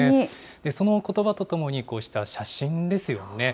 そのことばとともに、こうした写真ですよね。